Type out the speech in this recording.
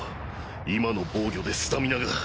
今の防御でスタミナが。